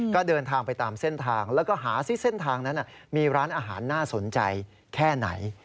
ก็เดินทางไปตามเส้นทางแล้วก็หาซิเส้นทางนั้นมีร้านอาหารน่าสนใจแค่ไหน